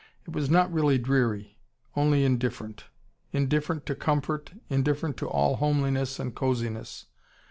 It was not really dreary: only indifferent. Indifferent to comfort, indifferent to all homeliness and cosiness.